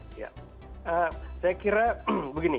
saya kira begini